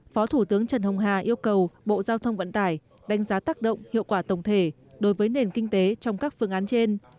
phó thủ tướng trần hồng hà yêu cầu bộ giao thông vận tải đánh giá tác động hiệu quả tổng thể đối với nền kinh tế trong các phương án trên